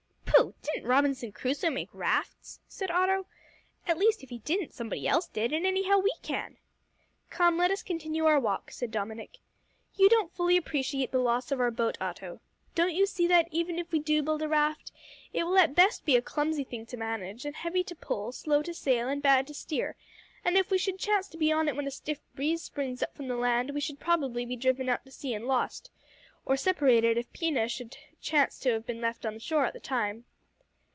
"Pooh! Didn't Robinson Crusoe make rafts?" said Otto; "at least if he didn't, somebody else did, and anyhow we can." "Come, let us continue our walk," said Dominick. "You don't fully appreciate the loss of our boat Otto. Don't you see that, even if we do build a raft, it will at best be a clumsy thing to manage, and heavy to pull, slow to sail, and bad to steer, and if we should chance to be on it when a stiff breeze springs up from the land, we should probably be driven out to sea and lost or separated, if Pina should chance to have been left on shore at the time."